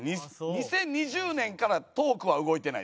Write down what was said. ２０２０年からトークは動いてないです。